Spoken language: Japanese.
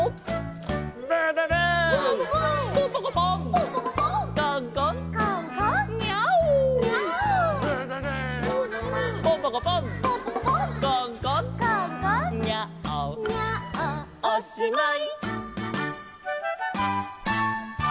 「ブブブー」「ブブブー」「ポンポコポン」「ポンポコポン」「コンコン」「コンコン」「ニャーオ」「ニャーオ」「ブブブー」「ブブブー」「ポンポコポン」「ポンポコポン」「コンコン」「コンコン」「ニャーオ」「ニャーオ」おしまい！